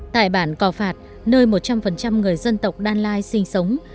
tại bản cò phạt nơi một trăm linh người dân tộc đan lai sinh sống